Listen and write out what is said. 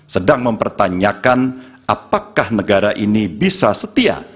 sedang mempertanyakan apakah negara ini bisa setia